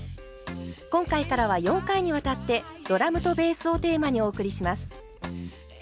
今回からは４回にわたってドラムとベースをテーマにお送りします。